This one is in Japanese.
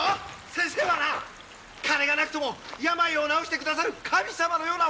先生はな金がなくとも病を治してくださる神様のようなお方なんだ！